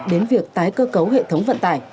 đến việc tái cơ cấu hệ thống vận tài